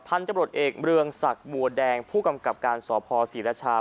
ตำรวจเอกเมืองศักดิ์บัวแดงผู้กำกับการสพศรีรชา